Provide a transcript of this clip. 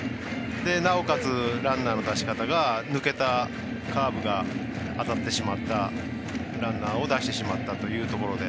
なおかつ、ランナーの出しかたが抜けたカーブが当たってしまったランナーを出してしまったというところで。